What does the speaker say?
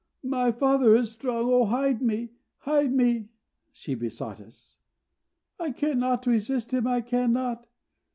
My father is strong! Oh, hide me! hide me!" she besought us. "I cannot resist him! I cannot!"